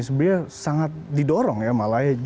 sebenarnya sangat didorong ya malah